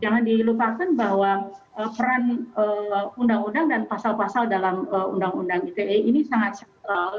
jangan dilupakan bahwa peran undang undang dan pasal pasal dalam undang undang ite ini sangat sentral